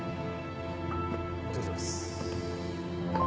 お疲れさまです。